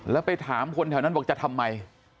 แล้วไปถามคนแถวนั้นบอกจะทำไม